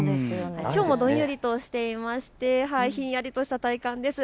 きょうもどんよりとしていましてひんやりとした体感です。